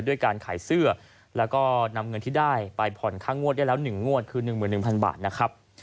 ด้วยการขายเสื้อแล้วก็นำเงินที่ได้ไปผ่อนค่างวดได้แล้ว๑งวดคือ๑๑๐๐บาทนะครับ